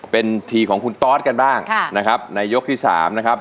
เป็นทีของคุณตอสกันบ้างนะครับในยกที่๓นะครับ